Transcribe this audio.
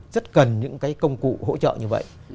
rất cần những cái công cụ hỗ trợ như vậy